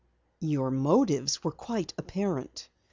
"Your motives were quite apparent.